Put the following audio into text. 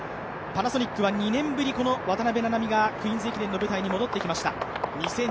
パナソニックは２年ぶり、渡邊菜々美がクイーンズ駅伝の舞台に戻ってきました。